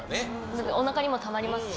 おなかにもたまりますし。